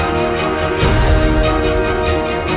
makin gue keren ukuran ini